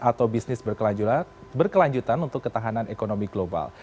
atau bisnis berkelanjutan untuk ketahanan ekonomi global